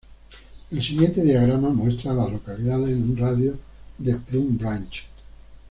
El siguiente diagrama muestra a las localidades en un radio de de Plum Branch.